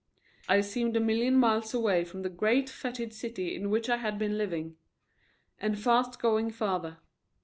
I seemed a million miles away from the great fetid city in which I had been living and fast going farther.